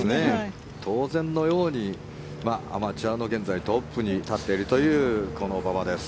当然のようにアマチュアの現在、トップに立っているというこの馬場です。